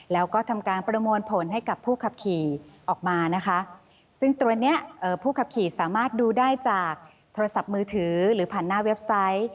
แล้วก็ทำการประมวลผลให้กับผู้ขับขี่ออกมานะคะซึ่งตัวเนี้ยผู้ขับขี่สามารถดูได้จากโทรศัพท์มือถือหรือผ่านหน้าเว็บไซต์